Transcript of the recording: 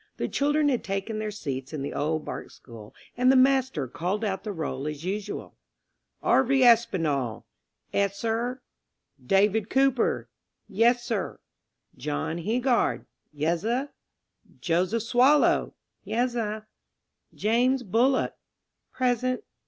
The children had taken their seats in the Old Bark School, and the master called out the roll as usual: "Arvie Aspinall."... "'Es, sir." "David Cooper."... "Yes, sir." "John Heegard."... "Yezzer." "Joseph Swallow."... "Yesser." "James Bullock."... "Present."